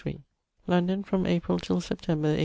London, from April till September, 1822.